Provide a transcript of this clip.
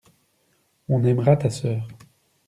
On aimera ta sœur.